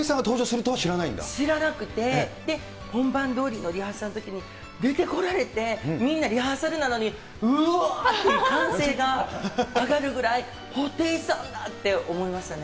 知らなくて、本番どおりのリハーサルのときに出てこられて、みんなリハーサルなのに、うわーって歓声が上がるぐらい、布袋さんだって思いましたね。